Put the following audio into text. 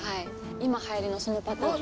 今はやりのそのパターンね。